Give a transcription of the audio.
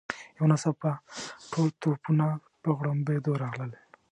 یو ناڅاپه ټول توپونه په غړمبېدو راغلل.